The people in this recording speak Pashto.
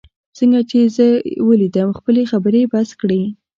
څنګه چي یې زه ولیدم، خپلې خبرې یې بس کړې.